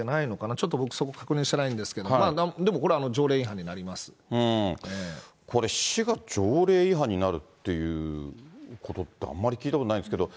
ちょっと僕、そこ確認してないんですけど、でもこれ、条例違反にこれ、市が条例違反になるっていうことってあんまり聞いたことないんですけど。